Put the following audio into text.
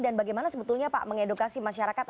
dan bagaimana sebetulnya pak mengedukasi masyarakat